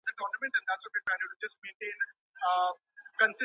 د ميرمني د متعې او عدې لګښتونه د خاوند پر غاړه دي.